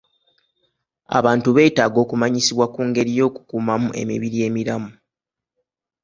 Abantu beetaaga okumanyisibwa ku ngeri y'okukuumamu emibiri emiramu.